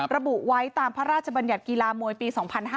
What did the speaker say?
ระบุไว้ตามพระราชบัญญัติกีฬามวยปี๒๕๕๙